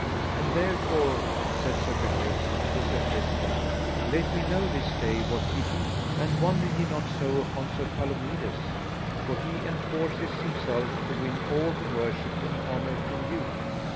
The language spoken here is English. And therefore, said Sir Gareth to Sir Tristram, let me know this day what ye be; and wonder ye not so upon Sir Palomides, for he enforceth himself to win all the worship and honour from you.